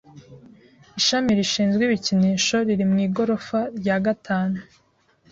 Ishami rishinzwe ibikinisho riri mu igorofa rya gatanu.